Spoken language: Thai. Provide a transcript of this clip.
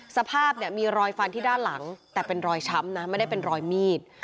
สภาพเนี่ยมีรอยฟันที่ด้านหลังแต่เป็นรอยช้ำนะไม่ได้เป็นรอยมีด